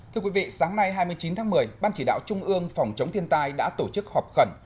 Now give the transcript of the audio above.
thưa quý vị sáng nay hai mươi chín tháng một mươi ban chỉ đạo trung ương phòng chống thiên tai đã tổ chức họp khẩn